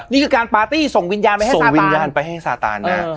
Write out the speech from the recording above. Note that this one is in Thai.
นี่ก็การพาร์ตี้ส่งวิญญาณไปให้ซาตาน